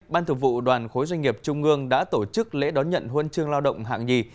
ban thực vụ đoàn khối doanh nghiệp trung ương đã tổ chức lễ đón nhận huân chương lao động hạng nhì